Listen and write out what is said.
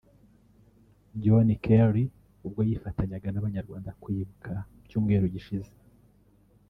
John Kerry ubwo yifatanyaga n’Abanyarwanda kwibuka mu cyumweru gishize